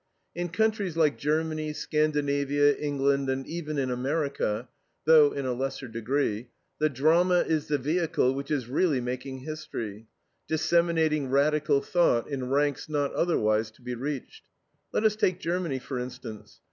In countries like Germany, Scandinavia, England, and even in America though in a lesser degree the drama is the vehicle which is really making history, disseminating radical thought in ranks not otherwise to be reached. Let us take Germany, for instance.